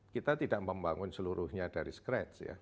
kita tidak membangun seluruhnya dari scratch ya